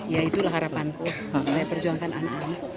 ya itulah harapanku saya perjuangkan anak anak